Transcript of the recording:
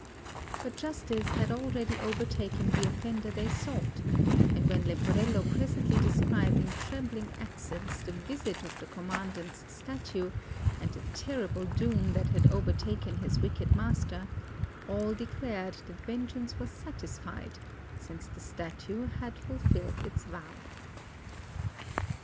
But justice had already overtaken the offender they sought; and when Leporello presently described in trembling accents the visit of the Commandant's Statue, and the terrible doom that had overtaken his wicked master, all declared that vengeance was satisfied, since the Statue had fulfilled its vow.